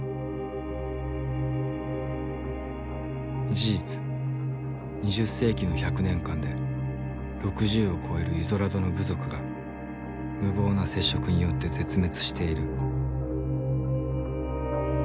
事実２０世紀の１００年間で６０を超えるイゾラドの部族が無謀な接触によって絶滅している。